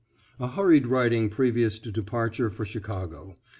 = A hurried writing previous to departure for Chicago.